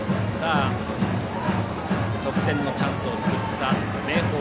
得点のチャンスを作った明豊。